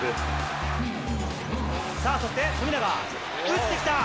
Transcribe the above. さあ、そして富永、打ってきた。